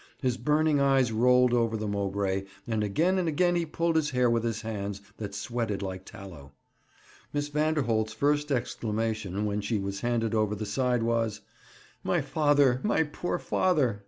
His burning eyes rolled over the Mowbray, and again and again he pulled his hair with hands that sweated like tallow. Miss Vanderholt's first exclamation, when she was handed over the side, was, 'My father! my poor father!'